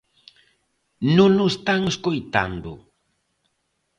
Non o están escoitando.